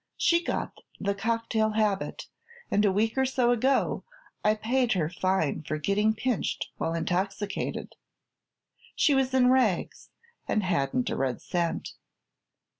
She got the cocktail habit and a week or so ago I paid her fine for getting pinched while intoxicated. She was in rags and hadn't a red cent.